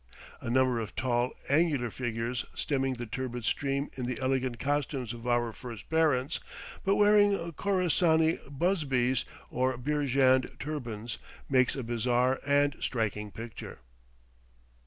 A number of tall, angular figures stemming the turbid stream in the elegant costumes of our first parents, but wearing Khorassani busbies or Beerjand turbans, makes a bizarre and striking picture.